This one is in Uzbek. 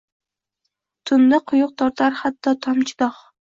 Tunda quyuq tortar hatto tomchi dog’.